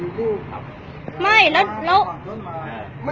ไม่ใช่พี่พี่พี่มันมีเวลา